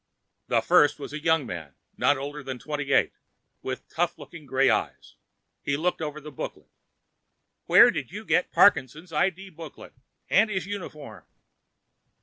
The First was a young man, not older than twenty eight with tough looking gray eyes. He looked over the booklet. "Where did you get Parkinson's ID booklet? And his uniform?"